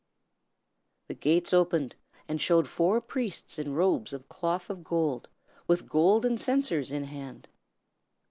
The gates opened, and showed four priests in robes of cloth of gold, with golden censers in hand.